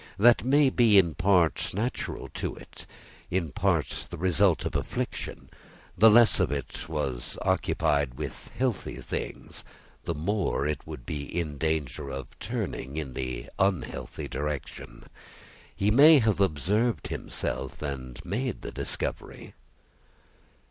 That may be, in part, natural to it; in part, the result of affliction. The less it was occupied with healthy things, the more it would be in danger of turning in the unhealthy direction. He may have observed himself, and made the discovery."